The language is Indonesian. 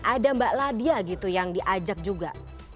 ada mbak ladia gitu yang diajak juga